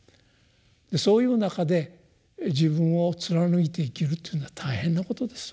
そういう中で自分を貫いて生きるっていうのは大変なことです